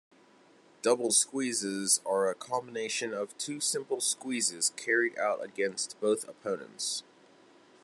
Double squeezes are a combination of two simple squeezes carried out against both opponents.